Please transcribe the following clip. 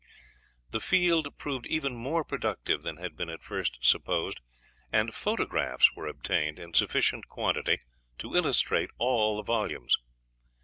The field proved even more productive than had been at first supposed, and photographs were obtained in sufficient quantity to illustrate all the volumes.